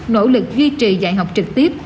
nỗ lực duy trì dạy học trực tiếp